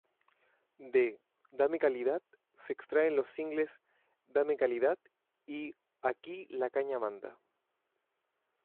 De "Dame calidad" se extraen los singles "Dame calidad" y "Aquí la caña manda".